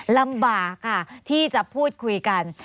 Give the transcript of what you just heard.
ลำบากค่ะที่จะพูดคุยกัน